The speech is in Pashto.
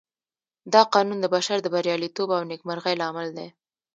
دا قانون د بشر د برياليتوب او نېکمرغۍ لامل دی.